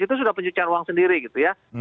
itu sudah pencucian uang sendiri gitu ya